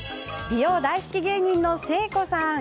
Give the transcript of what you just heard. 美容大好き芸人、誠子さん。